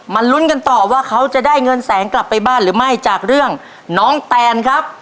ลุ้นกันต่อว่าเขาจะได้เงินแสนกลับไปบ้านหรือไม่จากเรื่องน้องแตนครับ